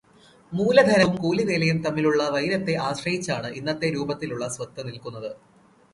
മൂലധനവും കൂലിവേലയും തമ്മിലുള്ള വൈരത്തെ ആശ്രയിച്ചാണ് ഇന്നത്തെ രൂപത്തിലുള്ള സ്വത്ത് നിൽക്കുന്നത്